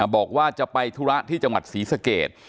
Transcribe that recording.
บอกว่าจะไปธุระที่จังหวัดศรีสเกต